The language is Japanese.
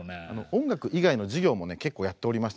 音楽以外の事業もね結構やっておりましてね